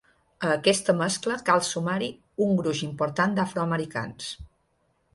A aquesta mescla cal sumar-hi un gruix important d'afroamericans.